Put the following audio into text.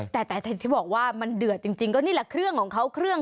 แต่ที่บอกว่ามันเดือดจริงก็นี่แหละเครื่องของเขาเครื่อง